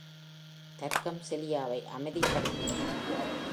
தர்க்கம் செலியாவை அமைதிப்படுத்தியது.